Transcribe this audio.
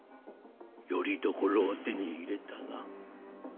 よりどころを手に入れたな。